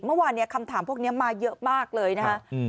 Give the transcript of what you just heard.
เมื่อวานเนี่ยคำถามพวกนี้มาเยอะมากเลยนะคะ